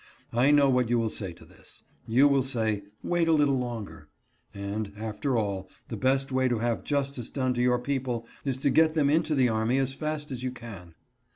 I know what you will say to this ; you will say ' Wait a little longer, and, after all, the best way to have justice done to your people is to get them into the army as fast as you can.